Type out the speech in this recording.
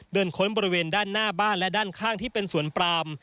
ค้นบริเวณด้านหน้าบ้านและด้านข้างที่เป็นสวนปลาม